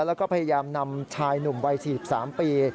แล้วก็พยายามนำชายหนุ่มวัย๔๓ปี